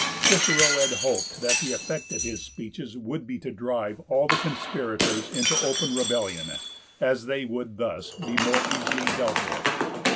Cicero had hoped that the effect of his speeches would be to drive all the conspirators into open rebellion, as they would thus be more easily dealt with.